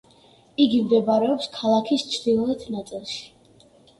იგი მდებარეობს ქალაქის ჩრდილოეთ ნაწილში.